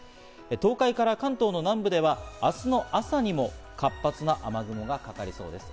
東海から関東の南部では明日の朝にも活発な雨雲がかかりそうです。